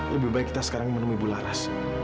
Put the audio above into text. lebih baik kita sekarang menemui bu laras